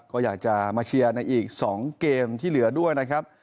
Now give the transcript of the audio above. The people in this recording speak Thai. ก็อยากจะมาเชียร์ในอีก๒เกมที่เหลือด้วยนะครับ